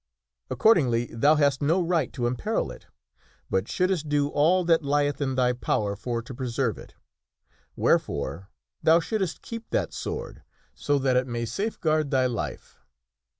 Accordingly thou hast no right to im peril it, but shouldst do all that lieth in thy power for to preserve it. Wherefore thou shouldst keep that sword so that it may safeguard thv life."